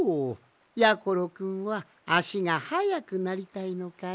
やころくんはあしがはやくなりたいのかね？